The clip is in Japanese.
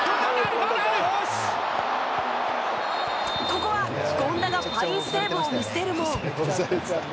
ここは権田がファインセーブを見せるも。